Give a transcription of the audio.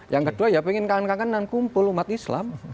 yang kedua ya pengen kangen kangenan kumpul umat islam